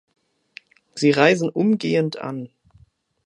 Sie reisen umgehend an.